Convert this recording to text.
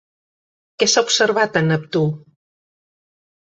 Què s'ha observat a Neptú?